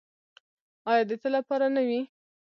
آیا د تل لپاره نه وي؟